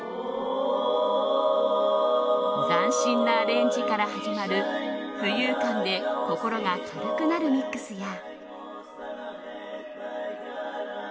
斬新なアレンジから始まる浮遊感で心が軽くなるミックスや。